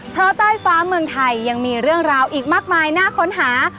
เพราะใต้ฟ้าเมืองไทยยังมีเรื่องราวอีกมากมายน่าค้นหา